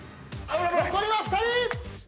残りは２人！